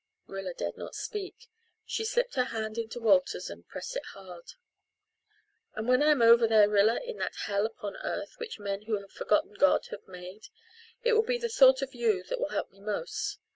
Rilla dared not try to speak. She slipped her hand into Walter's and pressed it hard. "And when I'm over there, Rilla, in that hell upon earth which men who have forgotten God have made, it will be the thought of you that will help me most.